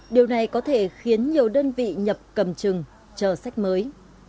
điều này có thể khiến nhiều đơn vị nhập cầm chừng chờ sách mới